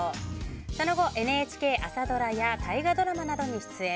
その後、ＮＨＫ朝ドラや大河ドラマなどに出演。